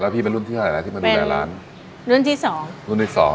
แล้วพี่เป็นรุ่นที่อะไรล่ะที่มาดูแลร้านรุ่นที่สองรุ่นที่สอง